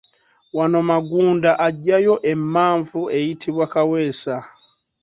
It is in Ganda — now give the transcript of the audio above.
Wano Magunda aggyayo emmanvu eyitibwa Kaweesa.